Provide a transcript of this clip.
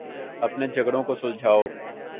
اپنے جھگڑوں کو سلجھاؤ۔